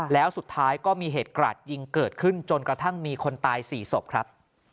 แล้วสุดท้ายก็มีเหตุกราดยิงเกิดขึ้นจนกระทั่งมีคนตาย๔ศพครับ